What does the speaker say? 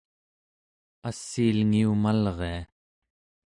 assiilngiumalria